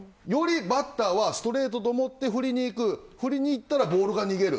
よりバッターはストレートと思って振りにいく振りにいったらボールが逃げる。